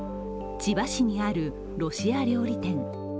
千葉市にあるロシア料理店。